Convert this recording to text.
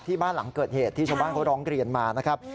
บ้านหลังเกิดเหตุที่ชาวบ้านเขาร้องเรียนมานะครับ